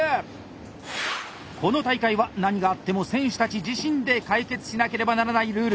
この大会は何があっても選手たち自身で解決しなければならないルール。